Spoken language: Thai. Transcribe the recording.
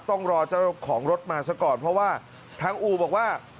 ต้องรอเจ้าของรถมาซะก่อนเพราะว่าทางอู่บอกว่า